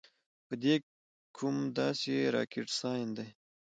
پۀ دې کوم داسې راکټ سائنس دے -